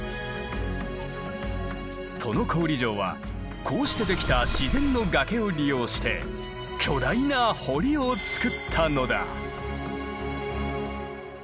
都於郡城はこうして出来た自然の崖を利用して巨大な堀を造ったのだ。